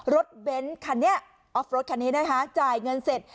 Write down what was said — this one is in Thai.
เบ้นคันนี้ออฟรถคันนี้นะคะจ่ายเงินเสร็จ